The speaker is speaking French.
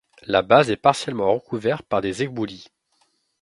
La base est partiellement recouvert par des éboulis.